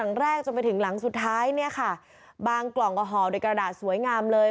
เพราะลูกบ้านยังเอาของขวัญไว้ให้เรื่อย